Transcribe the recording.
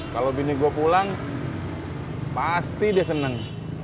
kalau bini gue pulang pasti dia seneng